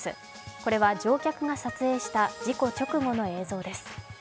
これは乗客が撮影した事故直後の映像です。